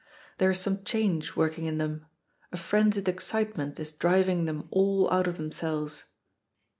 There is some change working in them. A frenzied excitement is driving them all out of themselves.